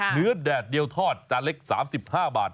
แดดเดียวทอดจานเล็ก๓๕บาท